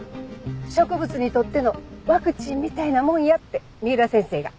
植物にとってのワクチンみたいなもんやって三浦先生が。